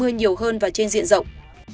nhiều hơn và trên diện rộng